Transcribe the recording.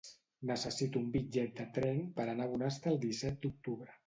Necessito un bitllet de tren per anar a Bonastre el disset d'octubre.